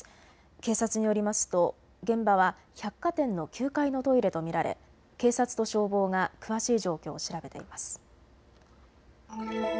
警察によりますと現場は百貨店の９階のトイレと見られ警察と消防が詳しい状況を調べています。